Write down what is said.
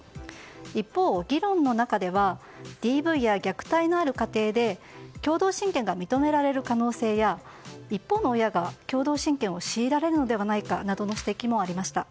一方、議論の中ではＤＶや虐待のある家庭で共同親権が認められる可能性や一方の親が共同親権を強いられるのではないかとの指摘もありました。